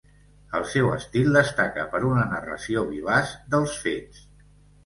El seu estil destaca per una narració vivaç dels fets.